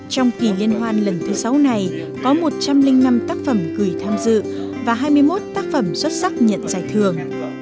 trong kỳ liên hoan lần thứ sáu này có một trăm linh năm tác phẩm gửi tham dự và hai mươi một tác phẩm xuất sắc nhận giải thưởng